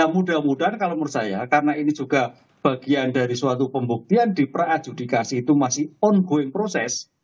mudah mudahan kalau menurut saya karena ini juga bagian dari suatu pembuktian di prajudikasi itu masih on going proses